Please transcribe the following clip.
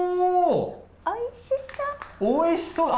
おいしそう。